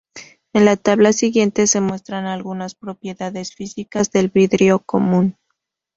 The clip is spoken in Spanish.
En la tabla siguiente se muestran algunas propiedades físicas del vidrio común.